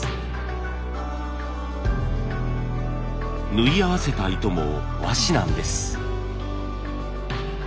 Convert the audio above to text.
縫い合わせた糸も和紙なんです。